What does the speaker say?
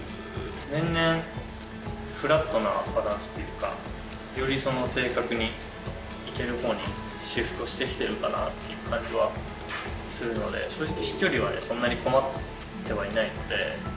年々フラットなバランスというか、より正確にいけるほうにシフトしてきてるかなっていう感じはするので、正直、飛距離はね、そんなに困ってはいないので。